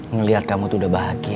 ngelihat kamu tuh udah bahagia